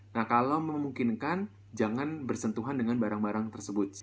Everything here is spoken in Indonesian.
nah kalau memungkinkan jangan bersentuhan dengan barang barang tersebut